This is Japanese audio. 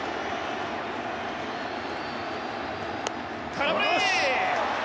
空振り！